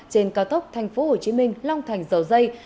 trên cao tốc tp hcm long thành dầu dây